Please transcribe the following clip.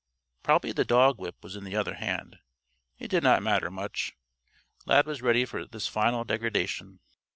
Probably the dog whip was in the other hand. It did not matter much. Lad was ready for this final degradation.